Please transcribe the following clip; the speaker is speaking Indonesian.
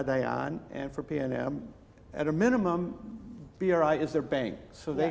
dan tentu saja untuk pnm bri adalah bank mereka